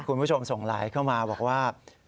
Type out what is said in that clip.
คุณผู้ชมส่งไลน์เข้ามาบอกว่า